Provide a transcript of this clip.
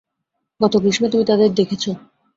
গত গ্রীষ্মে তুমি তাঁদের দেখেছ।